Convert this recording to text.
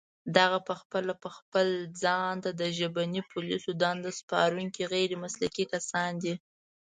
دغه پخپله خپل ځان ته د ژبني پوليسو دنده سپارونکي غير مسلکي کسان دي